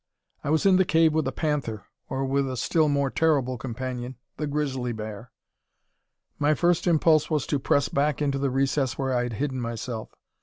I was in the cave with a panther, or with a still more terrible companion, the grizzly bear! My first impulse was to press back into the recess where I had hidden myself.